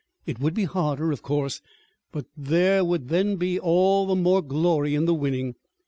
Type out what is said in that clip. It would be harder, of course; but there would then be all the more glory in the winning.